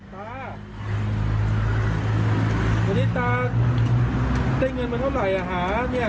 ตาวันนี้ตาได้เงินมาเท่าไหร่อ่ะหาเนี่ย